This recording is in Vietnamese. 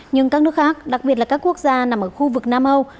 nhưng các nước khác đặc biệt là các quốc gia nằm ở khu vực nam âu